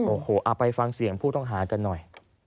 โอ้โหเอาไปฟังเสียงผู้ต้องหากันหน่อย